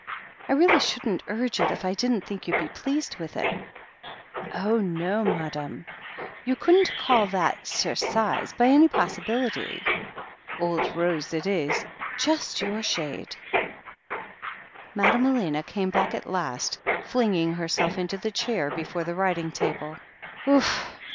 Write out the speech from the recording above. I really shouldn't urge it if I didn't think you'd be pleased with it ... Oh, no, Moddam — ^you couldn't call that cerise by any possibility. Old rose it is — ^just your shade. ..." Madame Elena came back at last, flinging herself into the chair before the writing table.